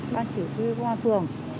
ban chỉ huy công an phường